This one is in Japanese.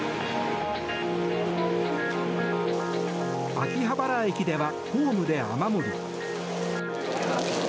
秋葉原駅では、ホームで雨漏り。